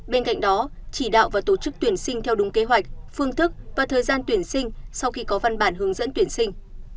bên cạnh đó chỉ đạo và tổ chức tuyển sinh theo đúng kế hoạch phương thức và thời gian tuyển sinh sau khi có văn bản hướng dẫn tuyển sinh